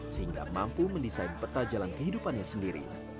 sehingga mampu mendesain peta jalan kehidupannya sendiri